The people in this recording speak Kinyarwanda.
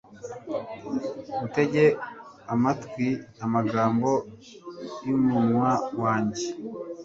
utege amatwi amagambo y'umunwa wanjye